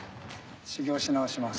修業し直します。